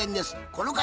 この方。